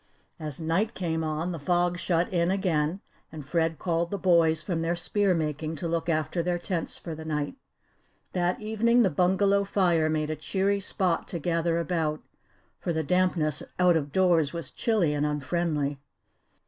As night came on the fog shut in again and Fred called the boys from their spear making to look after their tents for the night. That evening the bungalow fire made a cheery spot to gather about, for the dampness out of doors was chilly and unfriendly.